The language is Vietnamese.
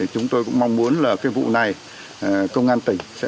chúng tôi cũng mong muốn là cái vụ này công an tỉnh